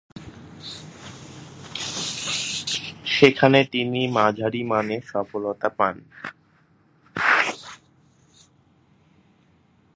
সেখানে তিনি মাঝারিমানের সফলতা পান।